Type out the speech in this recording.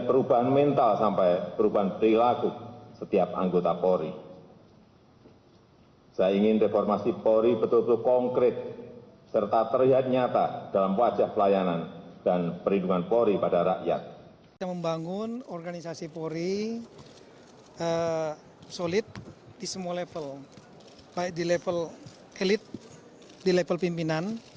pembangunan polisi tito karnavian